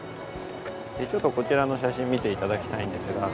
ちょっとこちらの写真見て頂きたいんですが。